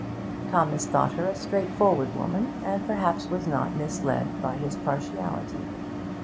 Thomas thought her a straightforward woman, and perhaps was not misled by his partiality.